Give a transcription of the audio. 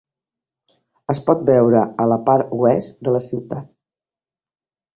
Es pot veure a la part oest de la ciutat.